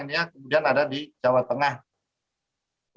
kemudian ada di jawa tengah